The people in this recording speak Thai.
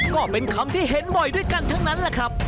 ก็เป็นคำที่เห็นบ่อยด้วยกันทั้งนั้นแหละครับ